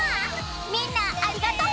みんなありがとう！